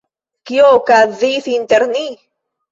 Kio okazis inter ni?